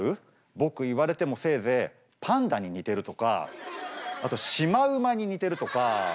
僕言われてもせいぜいパンダに似てるとかあとシマウマに似てるとか。